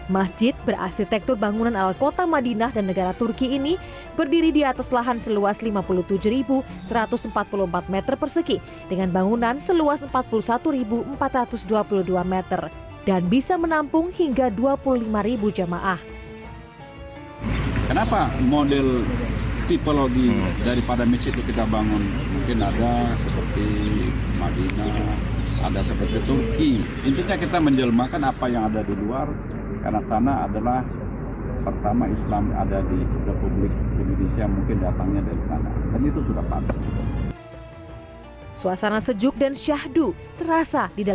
masjid berasitektur bangunan ala kota madinah dan negara turki ini berdiri di atas lahan seluas lima puluh tujuh satu ratus empat puluh empat meter persegi